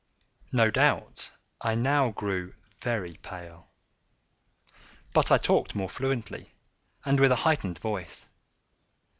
No doubt I now grew very pale;—but I talked more fluently, and with a heightened voice.